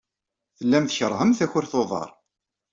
Tellam tkeṛhem takurt n uḍar.